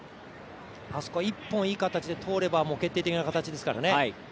あそこは一本いい形で通れば、決定的にいい形ですからね。